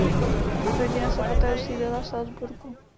Rodina se poté usídlila v Salzburgu.